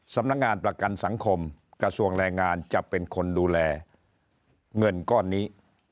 สำนักงานประกันสังคมกระทรวงแรงงานจะเป็นคนดูแลเงินก้อนนี้